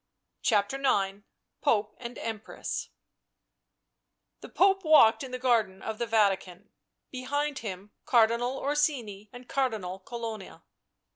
CHAPTER IX POPE AND EMPRESS The Pope walked in the garden of the Vatican, behind him Cardinal Orsini and Cardinal Colonna.